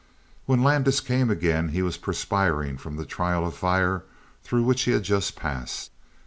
When Landis came again, he was perspiring from the trial of fire through which he had just passed.